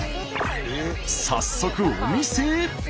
早速お店へ！